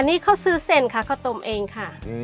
อันนี้เขาซื้อเส้นค่ะเขาต้มเองค่ะ